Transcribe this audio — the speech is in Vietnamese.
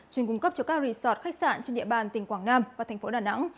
chuyên cung cấp cho các resort khách sạn trên địa bàn tỉnh quảng nam và thành phố đà nẵng